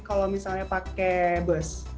kalau misalnya pakai bus